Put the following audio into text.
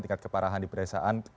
tingkat keparahan di perdesaan